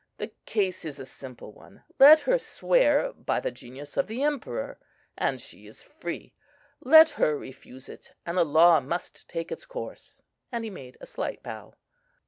The case is a simple one. Let her swear by the genius of the Emperor, and she is free; let her refuse it, and the law must take its course," and he made a slight bow.